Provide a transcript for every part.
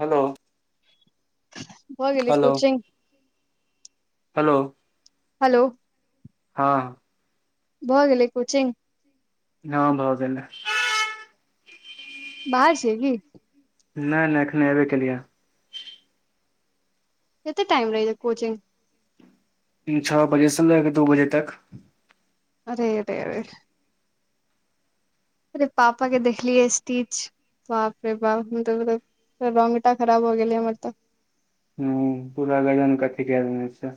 Hello. भऽ गेल क हेलो कोचिंग हेलो। हेलो हँ भऽ गेलै कोचिंग हँ भाव गेलै बाहर छैे कि नहि नहि एखने अबे केलियै कतेक टाइम रहहि ये कोचिंग छओ बजेसँ लके दू बजे तक आब नहि अबै अरे पापा के देखलियै स्टीच बाप रे बाप तब रौ मिठटा खराब हो गेलै हमर तऽ बूरा लगनकटि गेलछे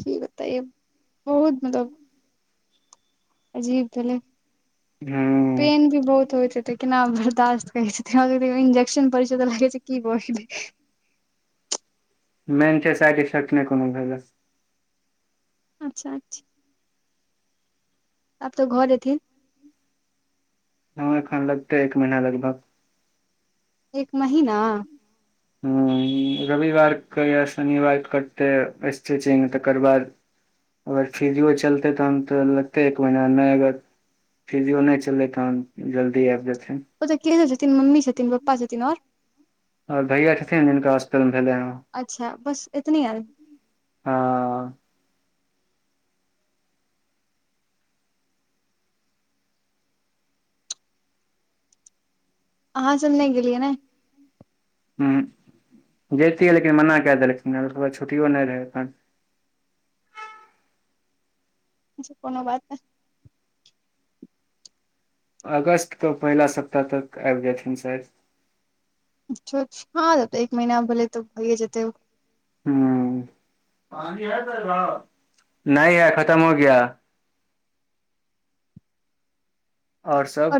क किबताओयो बहुत अजीब भलै हूँ पेन भी बहुत होइ छै तेकना बर्दाश्त थलदियो इंज्शन प तऽ लगै छै कि बै मेन छै साडफक नहि कोनो भेलये अच्छा छी आब तऽ घर एथिन ह एखन लगतै एक महिना लगभग एक महीना ह रविवारके या शनिवार करते स्टिचिंग तकर बाद अगर फिजियो चलते तहन तऽ लगते एक महीना नहि अगर फिजियो नहि चललै तहन जल्दी आबि जेते ओ तऽ केस छथिन मम्मी छथिन पप्पा छथिन आओर आओर भैया छथिन जिनका हप भेले ह अच्छा बस एतनी आदमी ह अहाँ सबनहि। गेलिये नहीं ह जैतियै लेकिन मना कए देलखिनकराद छुट्टियो नहि रहै अा कोनो बात नहि अगस्त त पहिला सप्ताह तक आबि जेयथिन सर अछ हँ एक महीना भोे तऽ भइए जेतै ह नहि य खतम हो गया आओर सब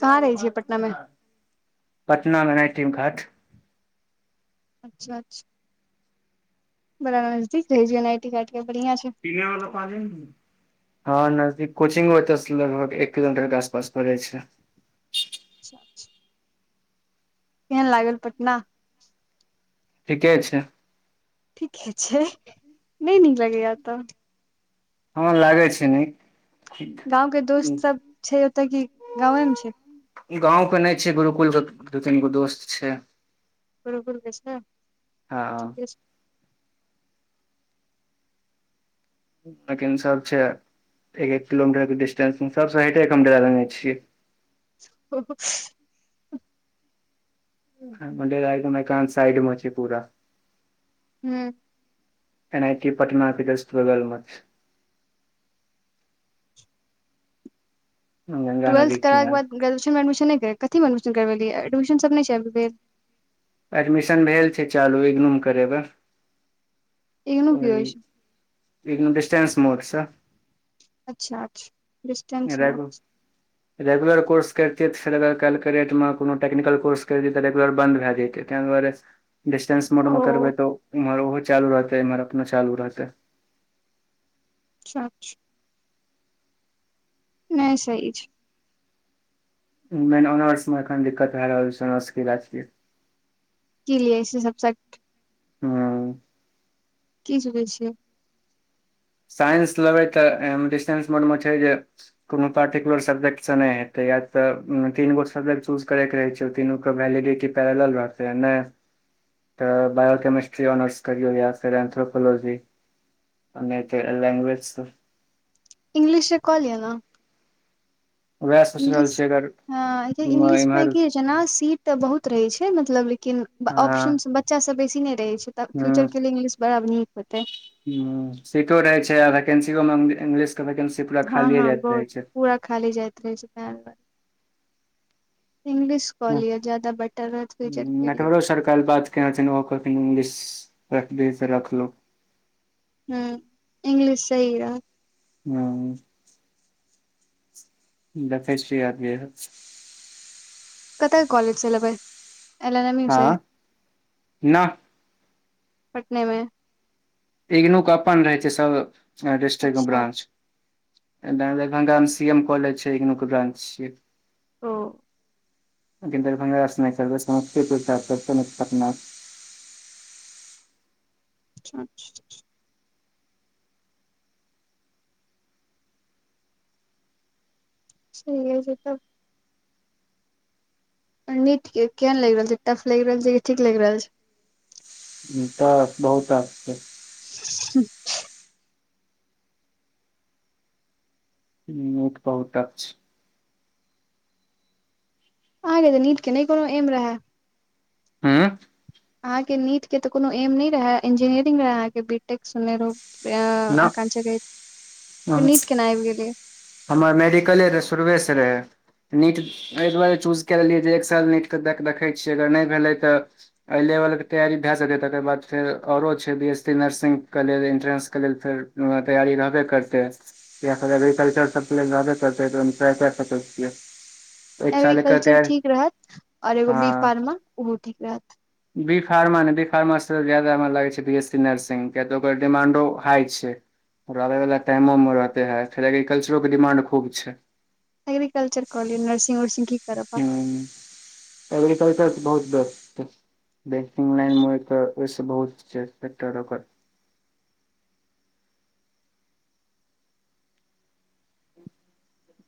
कहाँ रहै छियै पटना मे पटना मेना टीम घाट अच्छा बरा नजदीक आबिगलैथ बढ़िया छै पने वला पाजनि ने हँ नजदीक कोचिंगत लगभग एक किलोमीटर के आसपास पड़ै छै अच्छा केहन लागल पटना ठीके छै ठीके छै नहि नीक लगैयाएत हँ लागै छै नीक गाँंव के दोस्त सब छै एतकिगवेमे छै गाँंव के नहि छै गुरुकुल के दू तीन गो दोस्त छै गुरूकुल ठीके हँ छैठिके अखिसबछै एकं किलोमीटर के डिस्टेंस सबडेरालेनेछयै छियै ओ एखन हमर डेरा एकांत साइड मऽ छै पूरा हू एन आई टी पटना के जस्ट बंगल मऽ गंगा ट्वेल्थ नदी कराके किनार बाद ग्रजुएशन मऽ एडमिशन नहि कर की एडमिशन करबेलियै एडमिशन सब नहि छैबि गेल एडमिशन भेल छै चालू इंगनू मऽ करेबे इग्नू की ओहि होइ छै इंगनू डिस्टेंस मोर छै अच्छा अच्छा डिस्टेंस मे रेगू रेगुलर कोर्स करिते त फेरगर काल्हिके ेटमे कोनो ट्िकल कोर्स करितिय तऽ रेगलर बन्द भए जते तैहि दुआरे डिस्टेंस मोड मऽ ओ करबे तो उम्हर ओहो चालू रहते इम्हर अपनो चालू रहते [unintelligible] नहि सहि छै नहि र्नाह ऑनर्स मे एखन दिक्कत भए रहल छै ऑनर्सके बाती कि लए से सब सट हू की [unintelligible] छियै साइंस लेबै तऽ एमे डिस्टेंस मोडमे छै जे कोनो पर्टिक्यलर सब्जेक्ट सऽ नहि हेते या तऽ तीनगो सब्जेक्ट चूज करे के रहे छै तीन वैलिडिटी पैरल रहतै नहि तऽ बायो केमिस्ट्री ऑनर्स करा फेर एन्थ्रोफोलॉजी अने लंग्वेज सऽ इंग्लिशे सऽ कऽ लियऽ नऽ सोच रहल छै अगर ह इंगलिश में इम्हर की जेना सीट तऽ बहुत रहे छै मतलब लेकिन हँ ऑप्शन बच्चासभ बेसी नहि रहै छै तऽ फ्यूचर लए इंगलिश बड़ा नीक होेतै हँ सीटो रहे छै वैकेन्सियो मे इंगलिश के वन्सी हँ हँ बहुत पूरा खाली जाइत रहे छै तै दुआरे इंग्लिश कॉलियऔ ज्यदा बेटर रहथीजर के लए सरकार बात केना कहथि इंगलिश रखबे से रखलु हू इंग्लिश सहि रहत हू देखे छिये ऐब जेय हायत कत कॉलज छै लेबै एल एम एन यू हँ छै नहि पटने मे इगनू कऽ अपन रहै छै सब डिस्ट्रिक्टमे अच्छा ब्रान्च अच्छा दरभंगा मऽ सी एम कॉलेज छै ब्रानंच छियै ओ दरभंगा सऽ [unintelligible] समस्तीपुर [unintelligible] पटना अच्छा साहि छै तब निट के केहेन लगि रहल छै टफ लगि रहल छै कि ठीक लागि रहल छै टप बहुत हाड छैय [unintelligible] निट बहुत टप छै अहाँ के तऽ नीट के नहि कोनो एम रहै हू अहाँकेँ नीटके तऽ कोनो एम नहि रहै इंजीनियरिंग रहै अहाँकेँ बीटेक सुनने रहौ न आकच गा हमर मेडिकले रहे शुरवेसँ रहे नीट एहि दुआरे चूज कए लेलियै जे एक साल नीटके देखै छियै अगर नहि भेलै तऽ एहि लेबलके तैयारी भए सकै तकर बाद फेर आओरो छै बी एस सी नर्सगके लेल इन्ट्रेन्सके लेल फेर तैयी रहबे करते एग्रीकल्चर सभबे करतै त क सकै छियै एक साल एकर एग्रीकल्चर तैयारी ठीक रहत और एगो बी हँ फार्मर ओहो ठीक रहत। बी फार्म ने बी फार्म से जादा हमरा लागै छै बी एस सी नर्सिग किया तऽ ओकर डिमांडो हाई छै आबे वाला टाइमो मे रहे है फेर एग्रीकल्चरो के डिमांड खूब छै एग्रीकल्चरॉ कऽ लिया नर्सिग वर्सिग कि हु ऐ बेर कर कऽ बहुत बेसत छैथिन बंग लन एक बहुतट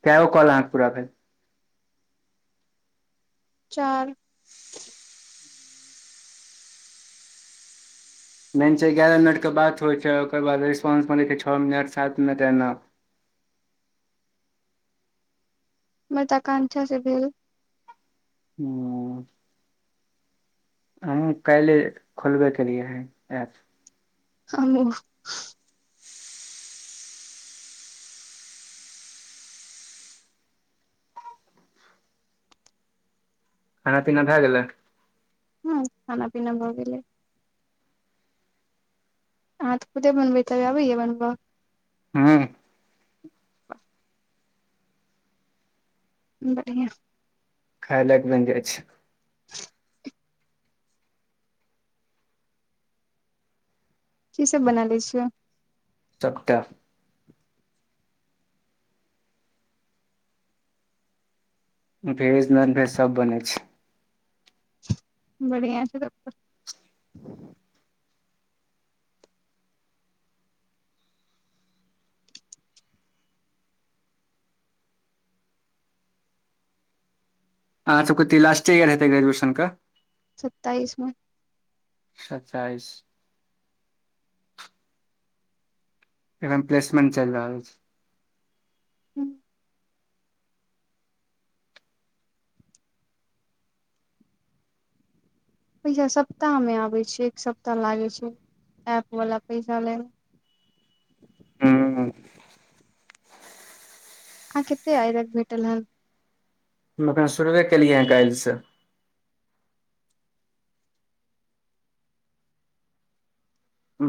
कागो ओ कल आँख पूरा भेलै चार। मेन छै ग्यारह मिनट के बात होइ छै ओकर बाद रेस्पॉं स मै छै छओ मिनट सात मिनट एना मर ताका अच्छा से भेलऽ ह हम कएले खोलबे केलियए है एप ह्ममु खाना पीना भए गेलै। ह खाना पीना भऽ गेलै अहाँ तऽ खुदे बनबै हेबइ अबैयए बनबऽ हू बढ़िआ खाय लाइक बैन जाय छै। [inaudible] कि सभ बना ले छियै सभटा भेज नॉन भेज सभ बनै छै बढ़िया छै तब [inaudible] अहाँ सभके त इ लास्टे इयर हेते ग्रेजुएशन के सत्ताइस म सताइस। एखन प्लसमेट चलि रहल छै हूँ। पैसा सप्ताहमे आबैत छै एक सप्ताह लागै छै एऐप वला पैसा ल हू हू अहाँ कते आइ धेर भेटल हैं हम एखन शुरुवे केलियै है काल्हि स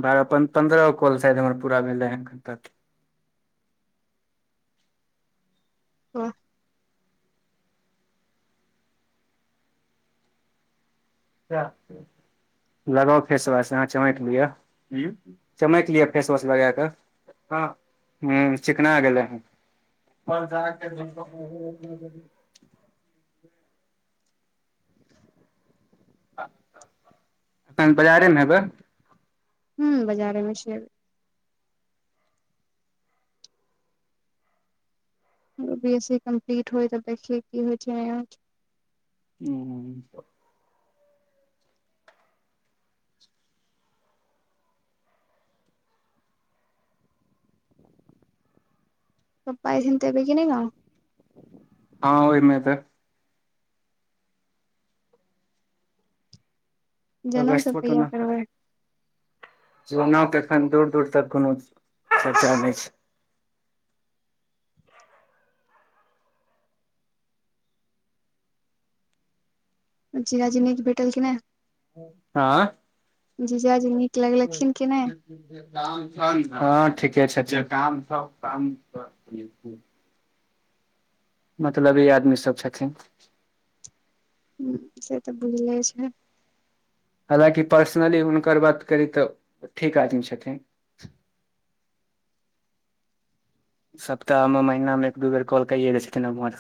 बारह पन्द्रह गो कॉल सायद हमर पूरा भेलै हैं अखन तक ओ। जा। लगाउ फेसवाश अहाँ चमक लिआ चमक लिअ फेसवाश लगा कऽ हा चिकना गेलै ह पर जा के। एखन बाजारे मे हेबै हूँ बाजारे मे छिये बी एस सी कम्पीट होइ तऽ देखिए की होइ छै। हूँ हूँ। पप्पा एथिन त एबै की नय गाव हँ ओहि मे जनउ अगस्त सभ कहिया करबै जनउ के एखन दूर दूर तक कोनो चर्चा नहि छै। जीजा जी नीक भेटल कि नहि। हा जीजा जी निक। [unintelligible] ह ठीके छथिन मतलबी ई आदमी सभ छथिन से तऽ बुझले छैन हालकि पर्सनली हुनकर बात करी त ठीक आदमी छथिन सप्ताह मे महिना मे एक दू बेर कॉल कए दै छथिन उम्हर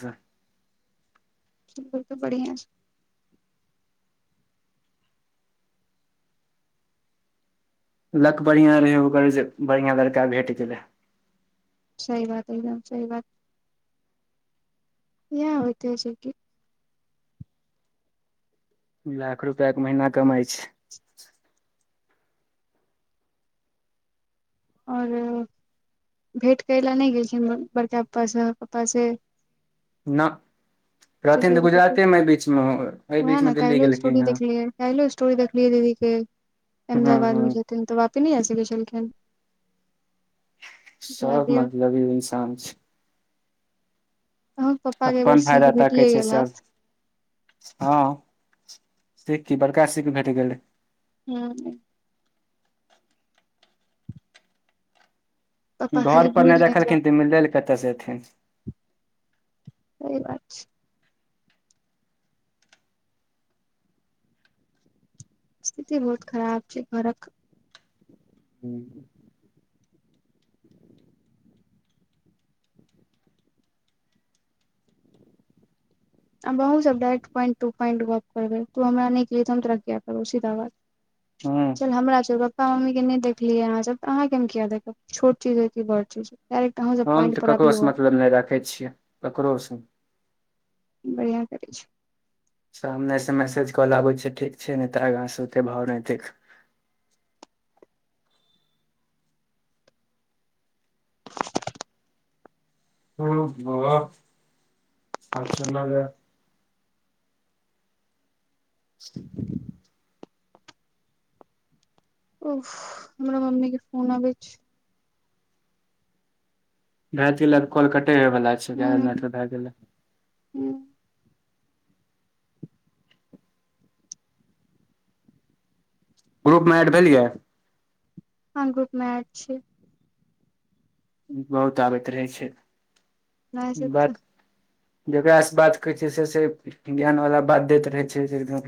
ओ त बढ़िआ छै लक बढ़िया रहे ओकर जे बढ़िया लड़का भेट गलै सही बात एकदम सही बात। येह होतेअ छै कि लाख रुपया के महीना कमाई छै। आओर भेट करै लए नहि गेलखिन बड़का पापासँ पापासँ ना एहि उएह बीचमे ने दिल्ली काल्हि गेलखिन स्टोरी हँ देखलियै काल्हि स्टोरी देखलियै दीदी हूँ अहमदाबाद मे हूँ छथिथिन त बापी नहिस छलखिन जा सभ दियौ मतलबी इन्सान छै अहूँके पप्पा के एहिबेर अपन सीख फायदा ताकै भेटिए छै गेल सभ हैत हँ सख बरका सि कि भेट गेलय। हू पप्पा खाली घर पर नहि भूलि जाउ रखलखिन तऽ मिलै ल कतऽ से एथिन सहि बात छै स्थिति बहुत खराब छै घर कऽ हू आहु सभ डायरेक्ट पॉइंटट गप करबे तू हमरा नहि केलिय त हम तरकिया करू सीधा बात हूँ चल हमरा जगह। पापा मम्मी के नहि देखलियै कहाँ सभ त अहाँकेँ मे किया देखब छोट चीज है कि बड़ चीज डायरेक्ट अहूँ सब हम पॉइंट तऽ पर ककरोसँ आबियौ आब मतलब नहि राखै छियै ककरो बढ़िया करै छै। सामने से मैसेज कॉल आबैत छै ठीक छै ने तऽ आगा से ओते भाव नत ह बत अच्छा लगा [inaudible] ओ हमरा मम्मी के फोन आबै छै। भए गेल कॉल कटे होय वाला छै गारह मिनट हूँ भए गेले हूँ ग्रूप मे एड भेलियै। ह ग्रुप मे एड छै बहुत आबैत रहै छै हमरा सब बात। जकारा से बात कहै छै से से ज्ञान वाला बात दैत रहे छै